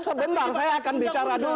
sebentar saya akan bicarakan